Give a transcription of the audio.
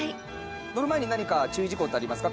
乗る前に何か注意事項ってありますか。